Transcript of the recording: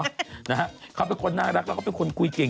นะฮะเขาเป็นคนน่ารักแล้วก็เป็นคนคุยเก่ง